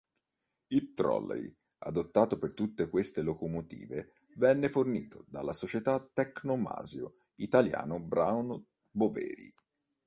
Il trolley adottato per tutte queste locomotive venne fornito dalla Società Tecnomasio Italiano-Brown-Boveri.